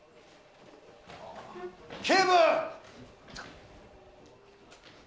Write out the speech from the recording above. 警部！